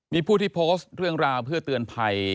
มีผู้ที่โพสต์เรื่องราวเพื่อเตือนภัย